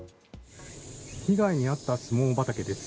被害に遭ったスモモ畑です。